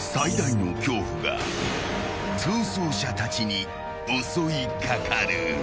［最大の恐怖が逃走者たちに襲い掛かる］